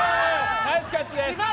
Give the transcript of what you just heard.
ナイスキャッチです。